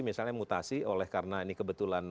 misalnya mutasi oleh karena ini kebetulan